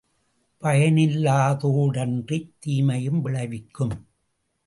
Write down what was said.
பயனில்லாத தோடன்றித் தீமையும் விளைவிக்கும்.